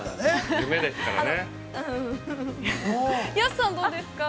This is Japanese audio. ◆夢ですからね。